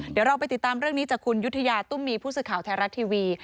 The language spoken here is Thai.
เดี๋ยวเราไปติดตามเรื่องนี้จากคุณยุธยาตุ้มมีผู้สื่อข่าวไทยรัฐทีวี